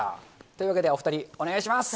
というわけで、お２人、お願いします。